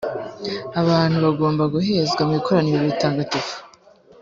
abantu bagomba guhezwa mu ikoraniro ritagatifu